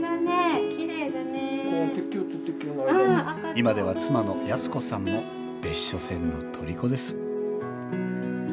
今では妻の康子さんも別所線のとりこです